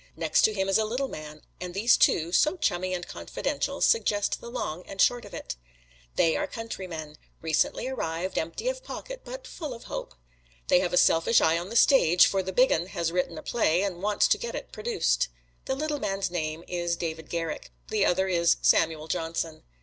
Next to him is a little man, and these two, so chummy and confidential, suggest the long and short of it. They are countrymen, recently arrived, empty of pocket, but full of hope. They have a selfish eye on the stage, for the big 'un has written a play and wants to get it produced. The little man's name is David Garrick; the other is Samuel Johnson.